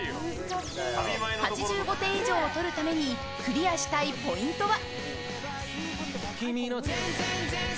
８５点以上を取るためにクリアしたいポイントは。